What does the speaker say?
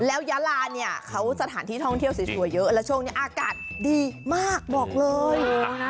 แล้วยาลาสถานที่ท่องเที่ยวสีชัวร์เยอะและช่วงนี้อากาศดีมากบอกเลย